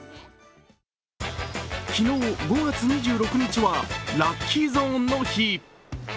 昨日、５月２６日はラッキーゾーンの日。